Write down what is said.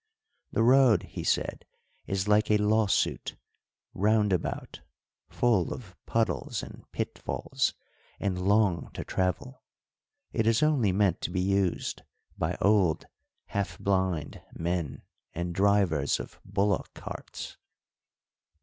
"The road," he said, "is like a lawsuit; round about, full of puddles and pitfalls, and long to travel. It is only meant to be used by old half blind men and drivers of bullock carts."